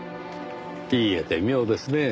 言い得て妙ですねぇ。